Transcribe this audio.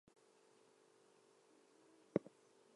The chauri is held in the right hand whereas the left hand is broken.